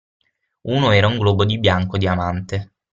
Uno era un globo di bianco diamante.